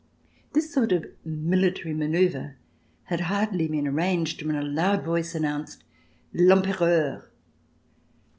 This sort of military manoeuvre had hardly been arranged when a loud voice an nounced: "L'Empereur!"